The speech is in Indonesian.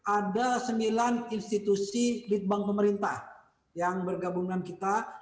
ada sembilan institusi lead bank pemerintah yang bergabungan kita